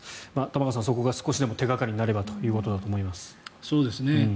玉川さん、そこが少しでも手掛かりになればということだと思います。